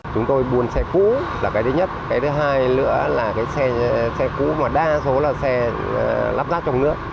chúng tôi buôn xe cũ là cái thứ nhất cái thứ hai nữa là cái xe cũ mà đa số là xe lắp ráp trong nước